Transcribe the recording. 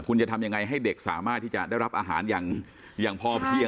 คุณจะทำยังไงให้เด็กสามารถที่จะได้รับอาหารอย่างพอเพียง